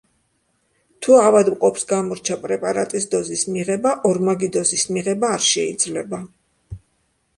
თუ ავადმყოფს გამორჩა პრეპარატის დოზის მიღება, ორმაგი დოზის მიღება არ შეიძლება.